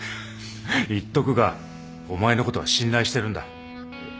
言っとくがお前のことは信頼してるんだ。